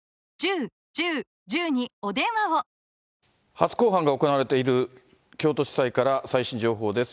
初公判が行われている京都地裁から最新情報です。